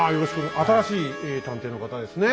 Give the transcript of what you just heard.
新しい探偵の方ですね。